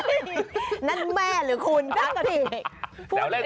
เอ้านั่นแม่หรือคุณนั่นผิก